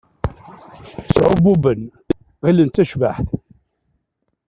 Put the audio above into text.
Sɛurbuben, ɣillen d tacbaḥt.